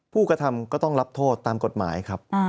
ผู้กระทำก็ต้องรับโทษตามกฎหมายครับ